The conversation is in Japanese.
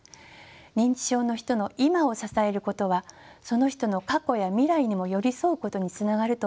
認知症の人の今を支えることはその人の過去や未来にも寄り添うことにつながると思います。